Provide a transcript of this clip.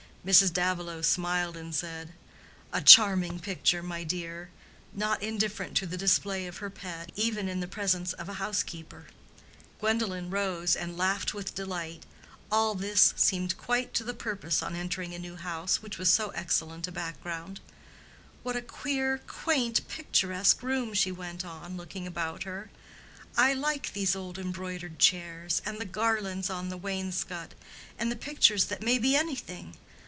Mrs. Davilow smiled and said, "A charming picture, my dear!" not indifferent to the display of her pet, even in the presence of a housekeeper. Gwendolen rose and laughed with delight. All this seemed quite to the purpose on entering a new house which was so excellent a background. "What a queer, quaint, picturesque room!" she went on, looking about her. "I like these old embroidered chairs, and the garlands on the wainscot, and the pictures that may be anything.